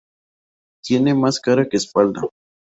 Tiene más cara que espalda